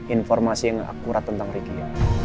informasi yang akurat tentang riki